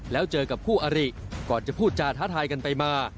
แล้วเจอกับคู่อริก่อนจะพูดจาท้าทายกันไปมา